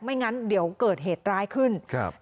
ไม่งั้นเดี๋ยวเกิดเหตุร้ายขึ้น